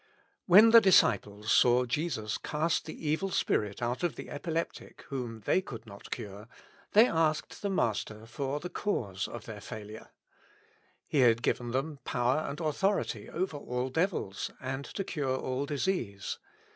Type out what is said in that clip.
WHEN the disciples saw Jesus cast the evil spirit out of the epileptic whom "they could not cure," they asked the Master for the cause of their failure. He had given them '' power and authority over all devils, and to cure all disease."